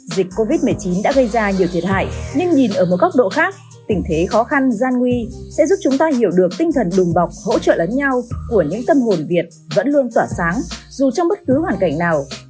dịch covid một mươi chín đã gây ra nhiều thiệt hại nhưng nhìn ở một góc độ khác tình thế khó khăn gian nguy sẽ giúp chúng ta hiểu được tinh thần đùm bọc hỗ trợ lẫn nhau của những tâm hồn việt vẫn luôn tỏa sáng dù trong bất cứ hoàn cảnh nào